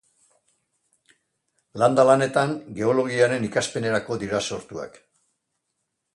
Landa-lanetan geologiaren ikaspenerako dira sortuak.